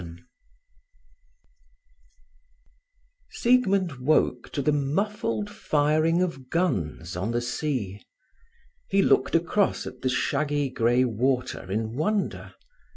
VII Siegmund woke to the muffled firing of guns on the sea. He looked across at the shaggy grey water in wonder.